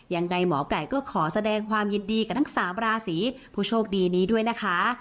ยังไงหมอไก่ก็ขอแสดงความยินดีกับทั้งสามราศีผู้โชคดีนี้ด้วยนะคะ